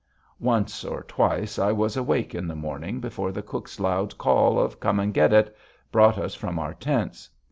Once or twice I was awake in the morning before the cook's loud call of "Come and get it!" brought us from our tents.